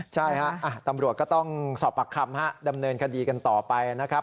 ใช่ฮะตำรวจก็ต้องสอบปากคำดำเนินคดีกันต่อไปนะครับ